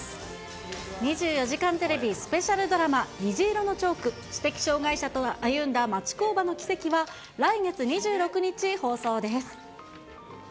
２４時間テレビスペシャルドラマ、虹色のチョーク、知的障がい者と歩んだ町工場のキセキは、来月２６日放送です。